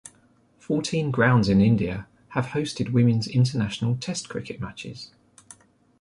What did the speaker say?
Fourteen grounds in India have hosted women's international Test cricket matches.